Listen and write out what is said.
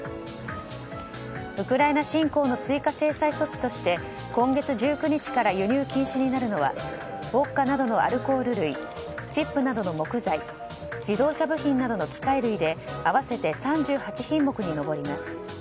ウクライナ侵攻の追加制裁措置として今月１９日から輸入禁止になるのはウォッカなどのアルコール類チップなどの木材自動車部品などの機械類で合わせて３８品目に及びます。